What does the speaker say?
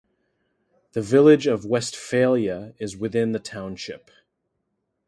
The village of Westphalia is within the township.